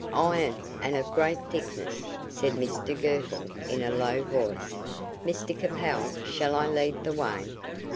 "Iron, and of great thickness," said Mr Girtle, in a low voice. "Mr Capel, shall I lead the way?"